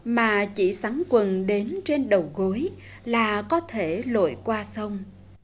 mà chỉ sắn quần đến trên đầu gối là có thể lội qua sông